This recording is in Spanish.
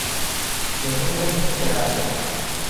Domingo: Cerrado.